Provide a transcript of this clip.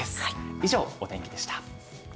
以上、お天気でした。